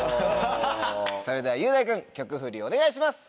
それでは雄大君曲フリお願いします！